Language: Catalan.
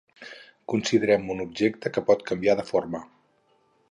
Considerem un objecte que pot canviar de forma.